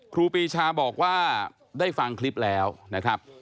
ครูปีชาบอกว่าได้ฟังคลิปแล้วนะครับ